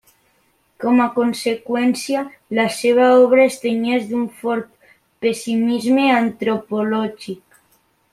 Com a conseqüència, la seva obra es tenyeix d'un fort pessimisme antropològic.